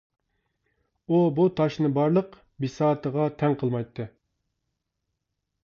ئۇ بۇ تاشنى بارلىق بىساتىغا تەڭ قىلمايتتى.